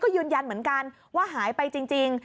ยืนยันเหมือนกันว่าหายไปจริง